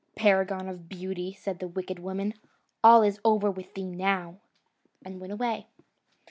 "Paragon of beauty!" said the wicked woman, "all is over with thee now," and went away.